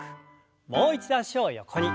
もう一度脚を横に。